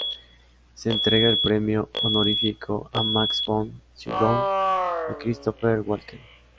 Se entrega el Premio Honorífico a Max von Sydow y Christopher Walken.